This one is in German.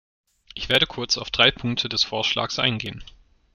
Ich werde kurz auf drei Punkte des Vorschlags eingehen.